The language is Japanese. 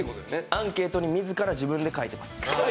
アンケートに自ら自分で書いてます。